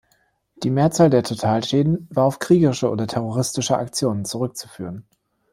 Die Mehrzahl der Totalschäden war auf kriegerische oder terroristische Aktionen zurückzuführen.